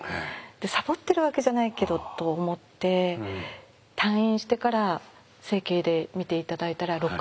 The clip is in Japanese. サボってるわけじゃないけどと思って退院してから整形で診て頂いたら６か所折れて。